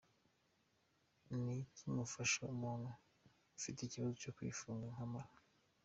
Ni iki mufasha umuntu ufite ikibazo cyo kwifunga kw’amara?.